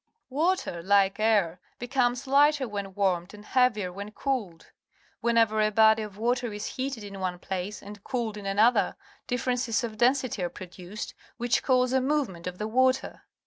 Water, like air^. becomes. .lighter when warmed and heavier when cooled. \Mienever a body of water is heated in one place and cooled in a nother, differences of density are produced, which cause a mo\'ement of the water.